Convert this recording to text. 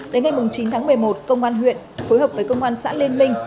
đến ngày chín tháng một mươi một công an huyện phối hợp với công an xã liên minh